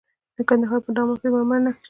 د کندهار په دامان کې د مرمرو نښې شته.